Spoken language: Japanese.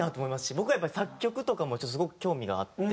僕はやっぱり作曲とかもすごく興味があって。